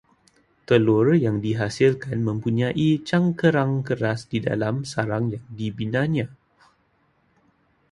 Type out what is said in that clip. Telur yang dihasilkan mempunyai cangkerang keras di dalam sarang yang dibinanya